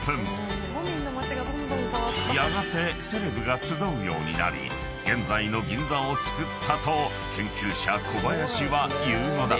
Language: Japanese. ［やがてセレブが集うようになり現在の銀座をつくったと研究者小林は言うのだ］